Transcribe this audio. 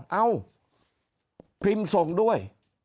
เอ้าพิมพ์ส่งด้วย